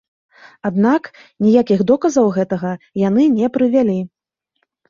Аднак ніякіх доказаў гэтага яны не прывялі.